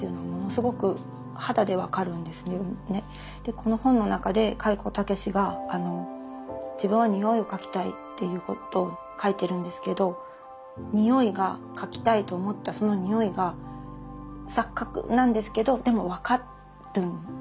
この本の中で開高健が自分は匂いを書きたいっていうことを書いてるんですけど匂いが書きたいと思ったその匂いが錯覚なんですけどでも分かるんですよね。